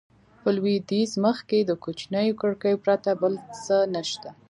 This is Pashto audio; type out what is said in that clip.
په لوېدیځ مخ کې د کوچنیو کړکیو پرته بل څه نه شته.